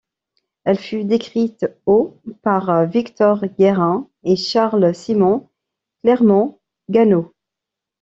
Elle fut décrite au par Victor Guérin et Charles Simon Clermont-Ganneau.